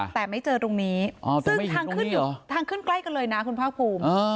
แต่ไม่เจอตรงนี้ทางขึ้นใกล้กันเลยนะคุณภาคภูมิ